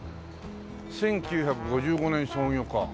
１９５５年創業か。